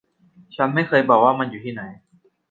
ฉันไม่เคยบอกว่ามันอยู่ที่ไหน